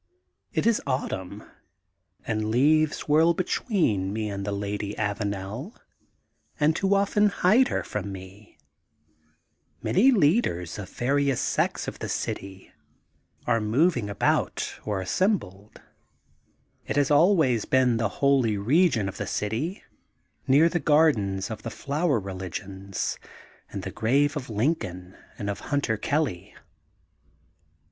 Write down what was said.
It is autumn and leaves whirl between me and the Lady Avanel and too often hide her from me. Many leaders of various sects of the city are mov 818 THE GOLDEN BOOK OF SPRINGFIELD 819 ing about or assembled. It has always been the holy region of the city, near the Gardens of the Flower Religions and the Grave of Lin coln and of Hunter Kelly.